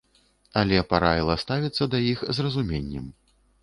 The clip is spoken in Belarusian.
Але параіла ставіцца да іх з разуменнем.